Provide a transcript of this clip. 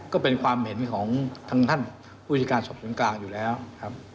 ก็เป็นความเห็นของทางท่านผู้จัดการสอบสวนกลางอยู่แล้วครับ